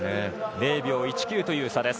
０秒１９という差。